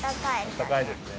あったかいですね。